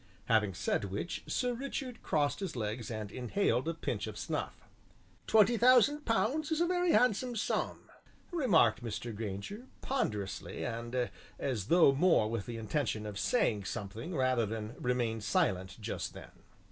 Having said which, Sir Richard crossed his legs and inhaled a pinch of snuff. "Twenty thousand pounds is a very handsome sum," remarked Mr. Grainger ponderously and as though more with the intention of saying something rather than remain silent just then.